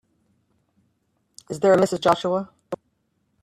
Is there a Mrs. Joshua?